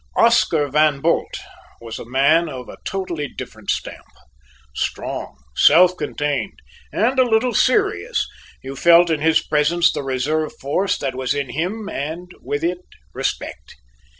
Oscar Van Bult was a man of a totally different stamp. Strong, self contained, and a little serious, you felt in his presence the reserve force that was in him and with it respect.